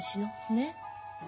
ねっ。